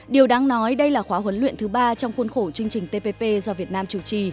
điều đáng nói đây là khóa huấn luyện thứ ba trong khuôn khổ chương trình tpp do việt nam chủ trì